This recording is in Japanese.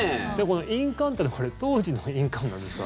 印鑑ってこれ、当時の印鑑なんですか？